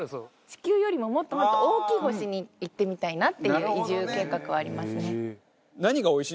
地球よりももっともっと大きい星に行ってみたいなっていう移住計画はありますね。